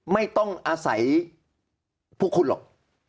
ไม่ต้องอาศัยพวกคุณหรอก